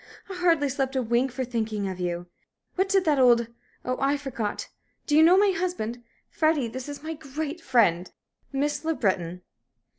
I hardly slept a wink for thinking of you. What did that old oh, I forgot do you know my husband? Freddie, this is my great friend, Miss Le Breton."